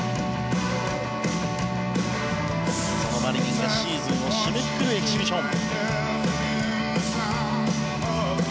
そのマリニンがシーズンを締めくくるエキシビション。